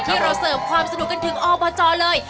เราเสิร์ฟความสนุกกันถึงอบจเลย